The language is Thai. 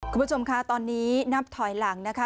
คุณผู้ชมคะตอนนี้นับถอยหลังนะคะ